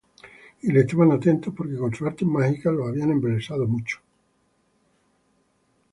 Y le estaban atentos, porque con sus artes mágicas los había embelesado mucho tiempo.